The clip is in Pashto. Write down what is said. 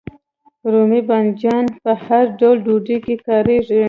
رومي بانجان په هر ډول ډوډۍ کې کاریږي.